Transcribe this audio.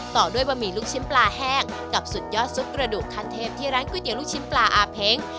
ต่อด้วยบะหมี่ลูกชิ้นปลาแห้งกับสุดยอดซุปกระดูกขั้นเทพที่ร้านก๋วยเตี๋ยลูกชิ้นปลาอาเพ้ง